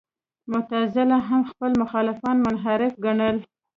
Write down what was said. معتزله هم خپل مخالفان منحرف ګڼل.